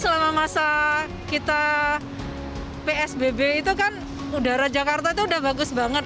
selama masa kita psbb itu kan udara jakarta itu udah bagus banget